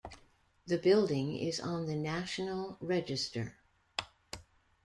The building is on the National Register.